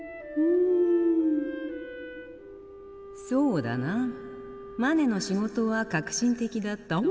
そうだなマネの仕事は革新的だった。